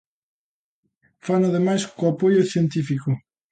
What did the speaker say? Fano ademais con apoio científico.